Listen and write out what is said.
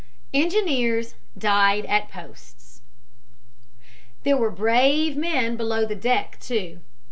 ENGINEERS DIED AT POSTS There were brave men below deck, too.